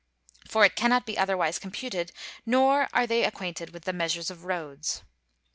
For it cannot be otherwise computed, nor are they acquainted with the measures of roads.